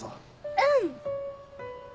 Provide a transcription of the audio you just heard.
うん！